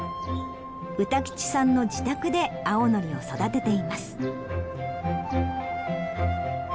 歌吉さんの自宅で青のりを育てています。